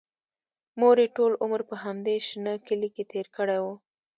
مور یې ټول عمر په همدې شنه کلي کې تېر کړی و